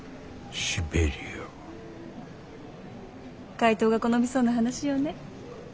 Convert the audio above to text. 怪盗が好みそうな話よね。